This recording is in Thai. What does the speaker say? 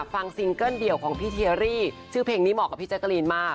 ซิงเกิ้ลเดี่ยวของพี่เทียรี่ชื่อเพลงนี้เหมาะกับพี่แจ๊กกะลีนมาก